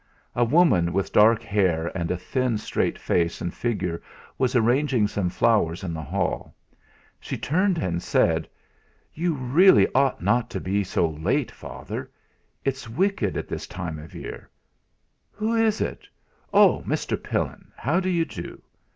A woman with dark hair and a thin, straight face and figure was arranging some flowers in the hall. She turned and said: "You really ought not to be so late, Father! It's wicked at this time of year. Who is it oh! Mr. Pillin, how do you do?